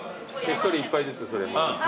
１人１杯ずつそれもらって。